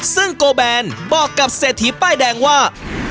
ซึ่งโกแบนบอกกับเศรษฐีป้ายแดงว่า